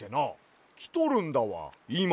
きとるんだわいま。